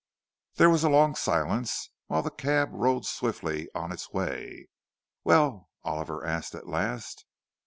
There was a long silence, while the cab rolled swiftly on its way. "Well?" Oliver asked at last.